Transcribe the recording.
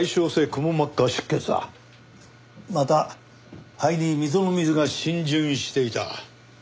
また肺に溝の水が浸潤していた。